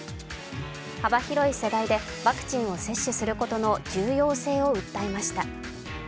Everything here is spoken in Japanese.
幅広い世代でワクチンを接種することの重要性を訴えました。